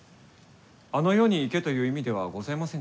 「あの世に行け」という意味ではございませぬ。